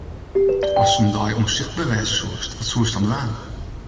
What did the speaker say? Ast in dei ûnsichtber wêze soest, wat soest dan dwaan?